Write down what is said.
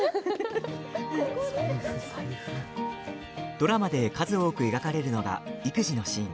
ドラマで数多く描かれるのが育児のシーン。